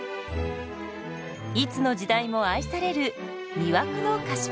いつの時代も愛される魅惑の菓子パンです。